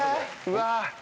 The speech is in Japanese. うわ。